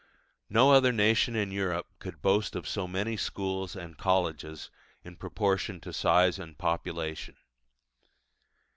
No other nation in Europe could boast of so many schools and colleges in proportion to size and population.